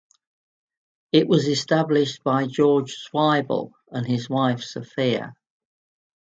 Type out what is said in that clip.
It was established by George Zweibel and his wife Sophia.